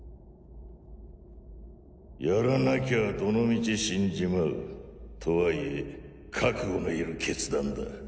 やらなきゃどのみち死んじまう。とはいえ覚悟のいる決断だ。